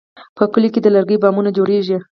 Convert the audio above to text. په کلیو کې د لرګي بامونه جوړېږي.